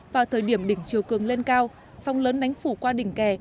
vào thời điểm đỉnh chiều cường lên cao sóng lớn đánh phủ qua đỉnh kè